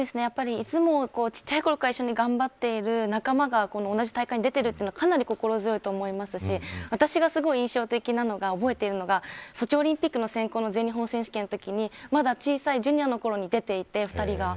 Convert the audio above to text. いつも、小さいころから一緒に頑張ってる仲間が同じ大会に出ているというのはかなり心強いと思いますし私が、すごい覚えているのがソチオリンピックの選考の全日本選手権のときにまだ小さいジュニア頃に出ていて、２人が。